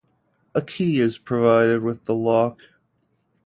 A key is provided with the lock.